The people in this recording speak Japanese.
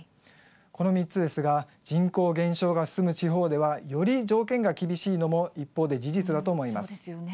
この３つですが人口減少が進む地方ではより条件が厳しいのも一方で事実だと思います。